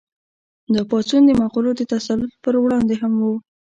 دا پاڅون د مغولو د تسلط پر وړاندې هم و.